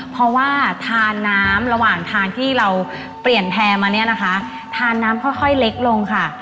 เพราะว่าทานน้ำระหว่างทางที่เราเปลี่ยนแพร่มาเนี่ยนะคะทานน้ำค่อยเล็กลงค่ะ